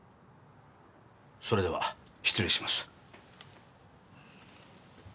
それでは失礼します。